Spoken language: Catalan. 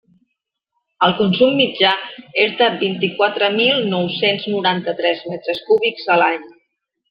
El consum mitjà és de vint-i-quatre mil nou-cents noranta-tres metres cúbics a l'any.